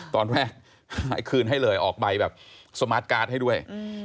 ตอนแรกคืนให้เลยออกใบแบบสมาร์ทการ์ดให้ด้วย